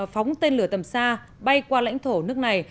phóng tên lửa tầm xa bay qua lãnh thổ nước này